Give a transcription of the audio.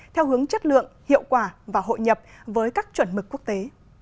theo hướng chất lượng hiệu quả và hội nhập với các chuẩn mực quốc tế